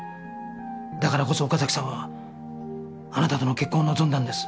だからこそ岡崎さんはあなたとの結婚を望んだんです。